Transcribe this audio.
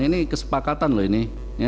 ini kesepakatan loh ini